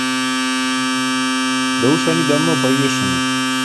Да уж они давно повешены.